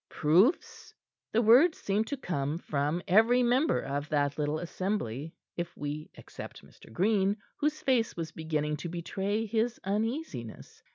"Proofs?" The word seemed to come from, every member of that little assembly if we except Mr. Green, whose face was beginning to betray his uneasiness.